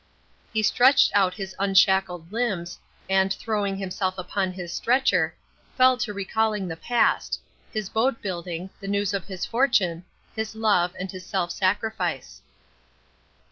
He stretched out his unshackled limbs, and throwing himself upon his stretcher, fell to recalling the past his boat building, the news of his fortune, his love, and his self sacrifice.